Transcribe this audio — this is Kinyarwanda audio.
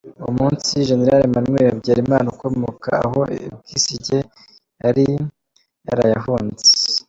Uwo munsi, Général Emmanuel Habyarimana ukomoka aho i Bwisige, yari yaraye ahunze!